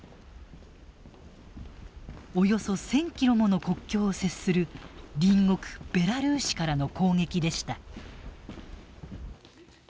およそ１，０００キロもの国境を接する隣国ベラルーシからの攻撃でした。